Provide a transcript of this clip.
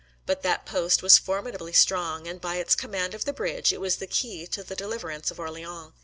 But that post was formidably strong, and by its command of the bridge, it was the key to the deliverance of Orleans.